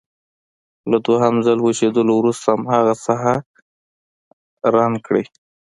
له دویم ځل وچېدلو وروسته هماغه ساحه رنګ کړئ.